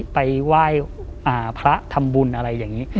ไปไหว้พระทำบุญอะไรอย่างนี้